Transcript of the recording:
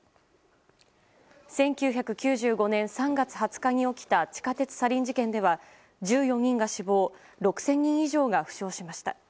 １９９５年３月２０日に起きた地下鉄サリン事件では１４人が死亡、６０００人以上が負傷しました。